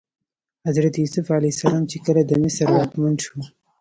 حضرت یوسف علیه السلام چې کله د مصر واکمن شو.